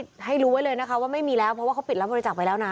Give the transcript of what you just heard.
ให้รู้ไว้เลยนะคะว่าไม่มีแล้วเพราะว่าเขาปิดรับบริจาคไปแล้วนะ